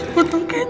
jangan kek ini